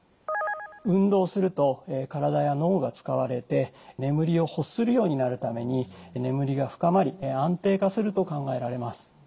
運動すると体や脳が使われて眠りを欲するようになるために眠りが深まり安定化すると考えられます。